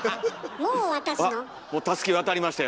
もうたすき渡りましたよ